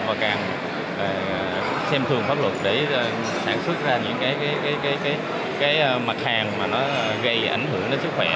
và càng xem thường pháp luật để sản xuất ra những mặt hàng gây ảnh hưởng đến sức khỏe